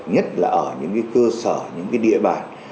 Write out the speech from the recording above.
nhất là ở những cái cơ sở những cái địa bàn